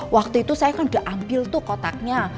waktu itu saya kan udah ambil tuh kotaknya